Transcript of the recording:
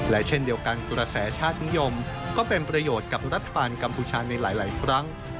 และเช่นเดียวกันกระแสชาตินิยมก็เป็นประโยชน์กับรัฐบาลกัมพูชาในหลายครั้ง